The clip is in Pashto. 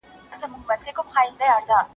په مالت کي را معلوم دی په مین سړي پوهېږم